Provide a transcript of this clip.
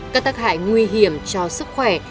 các tắc hại nguy hiểm cho sức khỏe